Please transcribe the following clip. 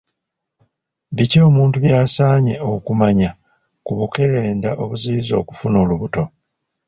Biki omuntu by'asaanye okumanya ku bukerenda obuziyiza okufuna olubuto?